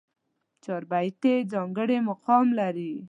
چاربېتې ځانګړی مقام لري.